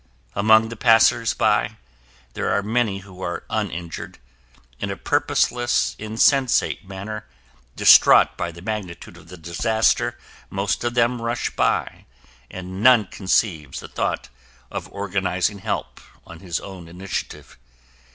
Among the passersby, there are many who are uninjured. In a purposeless, insensate manner, distraught by the magnitude of the disaster most of them rush by and none conceives the thought of organizing help on his own initiative.